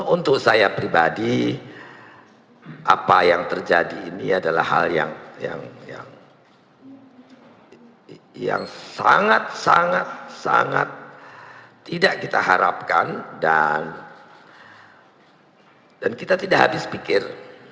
untuk saya pribadi apa yang terjadi ini adalah hal yang sangat sangat tidak kita harapkan dan kita tidak habis pikir